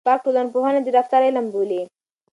پارک ټولنپوهنه د رفتار علم بولي.